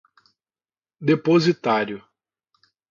depositário